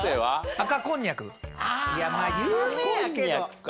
赤こんにゃくか。